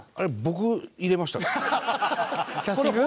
キャスティング？